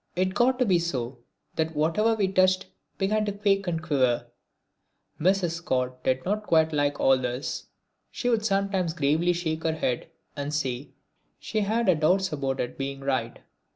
It got to be so that whatever we touched began to quake and quiver. Mrs. Scott did not quite like all this. She would sometimes gravely shake her head and say she had her doubts about its being right.